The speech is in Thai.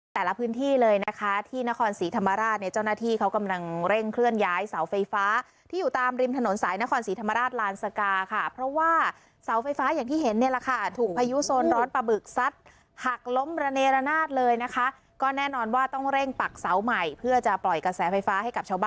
แต่ละพื้นที่เลยนะคะที่นครศรีธรรมราชเนี่ยเจ้าหน้าที่เขากำลังเร่งเคลื่อนย้ายเสาไฟฟ้าที่อยู่ตามริมถนนสายนครศรีธรรมราชลานสกาค่ะเพราะว่าเสาไฟฟ้าอย่างที่เห็นเนี่ยแหละค่ะถูกพายุโซนร้อนปลาบึกซัดหักล้มระเนรนาศเลยนะคะก็แน่นอนว่าต้องเร่งปักเสาใหม่เพื่อจะปล่อยกระแสไฟฟ้าให้กับชาวบ้าน